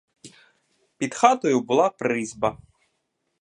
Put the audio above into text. Під хатою була призьба.